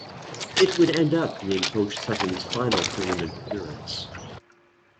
It would end up being Coach Sutton’s final Tournament appearance.